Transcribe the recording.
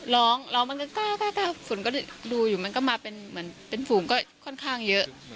ร้องร้องมันก็ฝนก็ดูอยู่มันก็มาเป็นเหมือนเป็นฝูงก็ค่อนข้างเยอะ